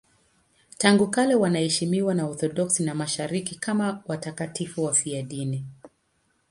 Tangu kale wanaheshimiwa na Waorthodoksi wa Mashariki kama watakatifu wafiadini.